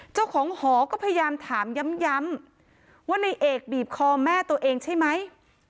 เจ้าของหอก็พยายามถามย้ำว่าในเอกบีบคอแม่ตัวเองใช่ไหม